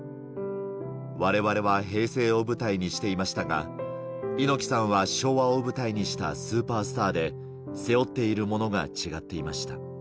われわれは平成を舞台にしていましたが、猪木さんは昭和を舞台にしたスーパースターで、背負っているものが違っていました。